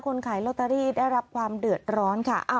ขายลอตเตอรี่ได้รับความเดือดร้อนค่ะ